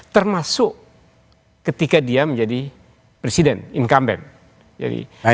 termasuk ketika dia menjadi presiden incumbent